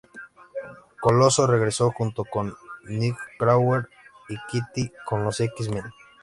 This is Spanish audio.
Coloso regresó junto con Nightcrawler y Kitty con los X-Men.